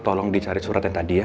tolong dicari surat yang tadi ya